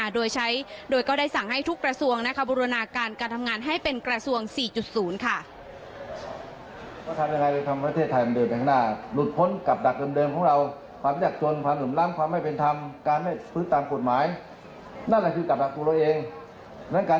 โดยใช้โดยก็ได้สั่งให้ทุกกระทรวงบูรณาการการทำงานให้เป็นกระทรวง๔๐ค่ะ